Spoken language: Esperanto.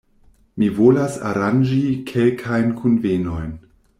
Mi volas aranĝi kelkajn kunvenojn.